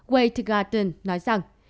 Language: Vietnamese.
wade garten nói rằng